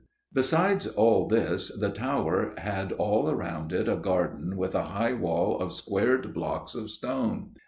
Besides all this, the tower had all around it a garden with a high wall of squared blocks of stone.